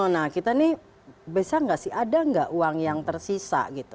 nah kita ini bisa nggak sih ada nggak uang yang tersisa gitu